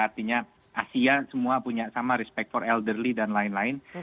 artinya asia semua punya sama respector elderly dan lain lain